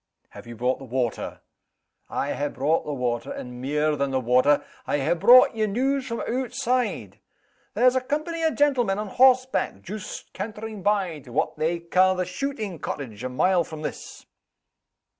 "Have you brought the water?" "I ha' brought the water and mair than the water. I ha' brought ye news from ootside. There's a company o' gentlemen on horseback, joost cantering by to what they ca' the shootin' cottage, a mile from this."